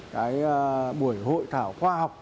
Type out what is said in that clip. cái buổi hội thảo khoa học